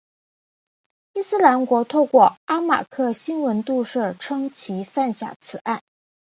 伊斯兰国透过阿马克新闻社宣称其犯下此案。